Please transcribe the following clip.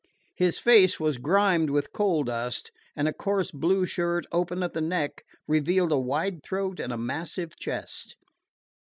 His face was grimed with coal dust, and a coarse blue shirt, open at the neck, revealed a wide throat and massive chest.